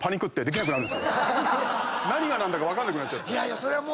何が何だか分かんなくなっちゃって。